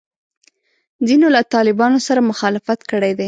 ځینو له طالبانو سره مخالفت کړی دی.